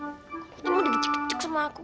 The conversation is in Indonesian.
ini mau digicik gicik sama aku